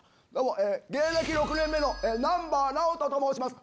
芸歴６年目のＮｏ．ナオトと申します